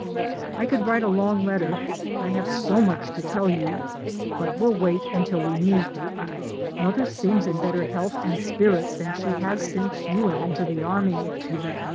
I could write a long letter, I have so much to tell you, but will wait until we meet. Mother seems in better health and spirits than she has since you went into the army.